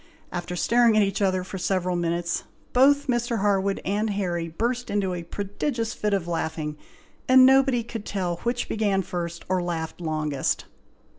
After staring at each other for several minutes, both Mr. Harwood and Harry burst into a prodigious fit of laughing, and nobody could tell which began first or laughed longest.